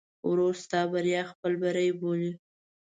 ورور ستا بریا خپل بری بولي.